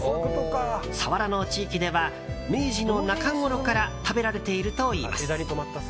佐原の地域では明治の中ごろから食べられているといいます。